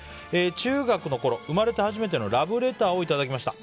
中学のころ生まれて初めてのラブレターをいただきました。